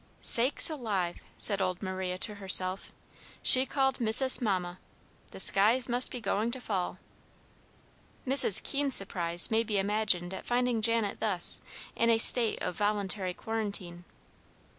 "Sakes alive!" said old Maria to herself, "she called missus 'Mamma.' The skies must be going to fall." Mrs. Keene's surprise may be imagined at finding Janet thus, in a state of voluntary quarantine.